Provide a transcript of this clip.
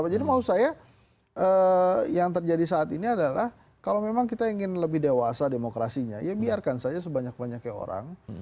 jadi mau saya yang terjadi saat ini adalah kalau memang kita ingin lebih dewasa demokrasinya ya biarkan saja sebanyak banyaknya orang